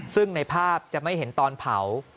ซึ่งในภาพจะไม่เห็นตอนเผา